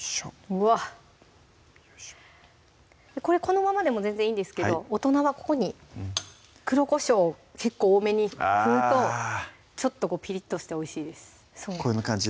うわっこれこのままでも全然いいんですけど大人はここに黒こしょうを結構多めに振るとちょっとピリッとしておいしいですこんな感じ？